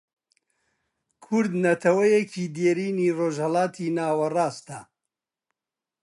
کورد نەتەوەیەکی دێرینی ڕۆژهەڵاتی ناوەڕاستە